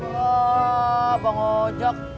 wah bang ojak